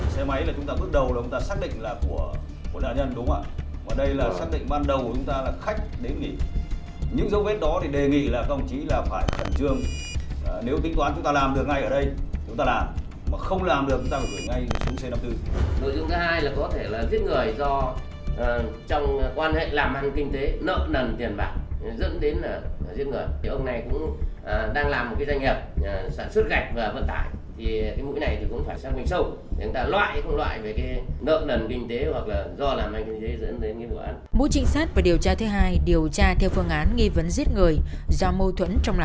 xe máy là chúng ta bước đầu là chúng ta xác định là của đại nhân đúng không ạ